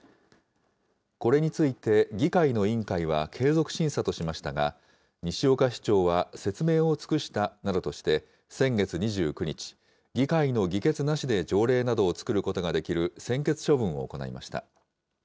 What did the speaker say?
これについて、議会の委員会は継続審査としましたが、西岡市長は説明を尽くしたなどとして、先月２９日、議会の議決なしで条例などを作ることができる専決処分を行いました。